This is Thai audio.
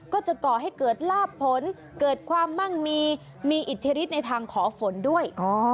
ก่อให้เกิดลาบผลเกิดความมั่งมีมีอิทธิฤทธิในทางขอฝนด้วย